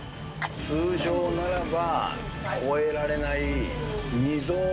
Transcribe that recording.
通常ならば、越えられない溝を。